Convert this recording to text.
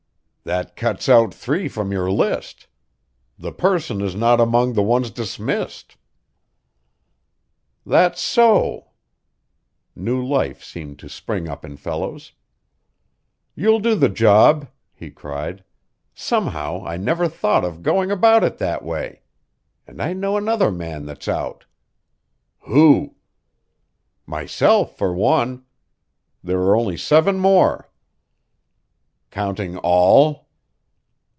"That cuts out three from your list. The person is not among the ones dismissed." "That's so." New life seemed to spring up in Fellows. "You'll do the job," he cried. "Somehow, I never thought of going about it that way. And I know another man that's out." "Who?" "Myself, for one. There are only seven more." "Counting all?"